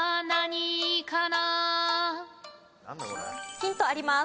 ヒントあります。